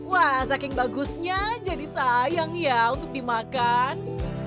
wah saking bagusnya jadi sayang ya untuk dimakan